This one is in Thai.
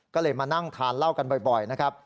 ก็เลยมานั่งทานเหล้ากันบ่อยนะครับ